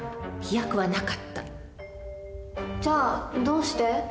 じゃあどうして？